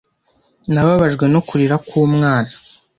Nababajwe no kurira k'umwana.